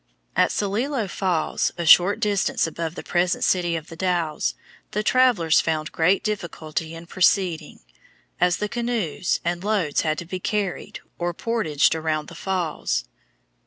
At Celilo Falls, a short distance above the present city of The Dalles, the travellers found great difficulty in proceeding, as the canoes and loads had to be carried, or "portaged," around the falls.